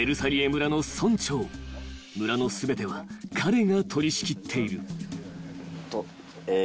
［村の全ては彼が取り仕切っている］え。